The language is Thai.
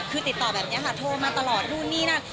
คือติดต่อแบบนี้ค่ะโทรมาตลอดนู่นนี่นั่น